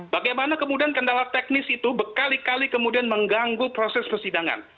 bagaimana kemudian kendala teknis itu berkali kali kemudian mengganggu proses persidangan